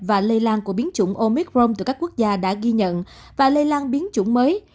và lây lan của biến chủng omicron từ các quốc gia đã ghi nhận và lây lan biến chủng mới